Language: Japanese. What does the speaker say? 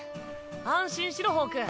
安心しろホーク。